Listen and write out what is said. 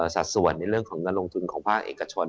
สัดส่วนในเรื่องของเงินลงทุนของภาคเอกชน